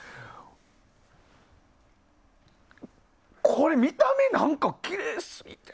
これ、見た目何かきれいすぎて。